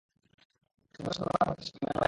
সুযোগের সদ্ব্যবহার করতে শেখো, ইম্মানুয়েল।